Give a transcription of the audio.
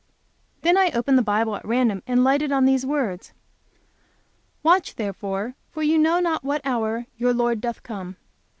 Then I opened the Bible at random, and lighted on these words: "Watch, therefore, for ye know not what hour your Lord doth come."